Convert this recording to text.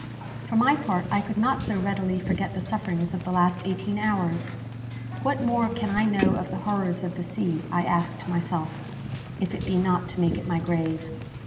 For my part, I could not so readily forget the sufferings of the last eighteen hours. "What more can I know of the horrors of the sea," I asked myself, "if it be not to make it my grave?"